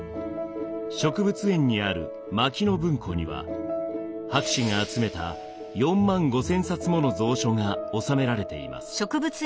植物園にある牧野文庫には博士が集めた４万５，０００冊もの蔵書が収められています。